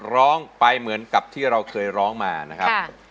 ร้องไปเหมือนกับที่เราเคยร้องมานะครับ